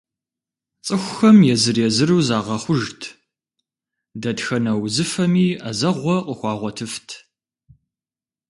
Цӏыхухэм езыр-езыру загъэхъужт, дэтхэнэ узыфэми ӏэзэгъуэ къыхуагъуэтыфт.